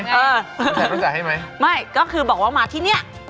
จ่ายเขาจ่ายให้ไหมไม่ก็คือบอกว่ามาที่นี่